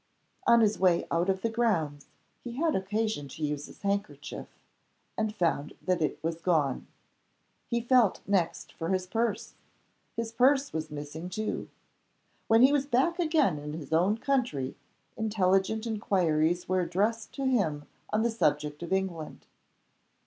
On his way out of the grounds he had occasion to use his handkerchief, and found that it was gone. He felt next for his purse. His purse was missing too. When he was back again in his own country, intelligent inquiries were addressed to him on the subject of England.